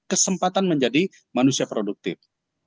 kesempatan menjadi manusia produktif